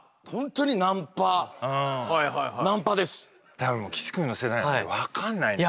多分岸くんの世代は分かんないのよ。